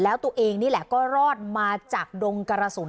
แล้วตัวเองนี่แหละก็รอดมาจากดงกระสุน